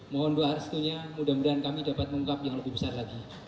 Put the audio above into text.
mohon doa restunya mudah mudahan kami dapat mengungkap yang lebih besar lagi